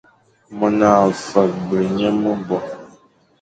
Mone a faghbe nya mebo,